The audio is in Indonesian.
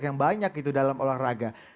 yang banyak gitu dalam olahraga